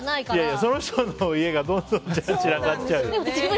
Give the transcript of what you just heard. その人の家がどんどん散らかっちゃう。